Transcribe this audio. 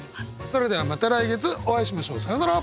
それではまた来月お会いしましょう。さようなら！